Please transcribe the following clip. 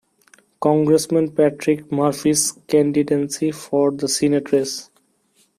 Congressman Patrick Murphy's candidacy for the senate race.